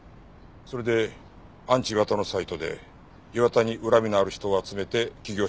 それでアンチ磐田のサイトで磐田に恨みのある人を集めて起業したんですか？